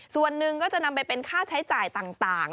ส่วนหนึ่งก็จะนำไปเป็นค่าใช้จ่ายต่าง